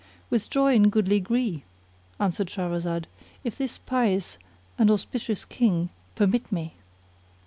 "[FN#39] "With joy and goodly gree," answered Shahrazad, "if this pious and auspicious King permit me."